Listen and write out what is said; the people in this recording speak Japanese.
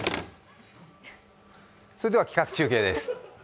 それでは企画中継です。